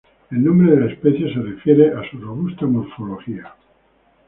El nombre de la especie se refiere a su robusta morfología.